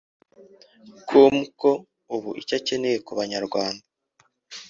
com ko ubu icyo akeneye ku banyarwanda